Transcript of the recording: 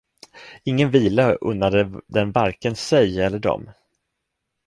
Ingen vila unnade den varken sig eller dem.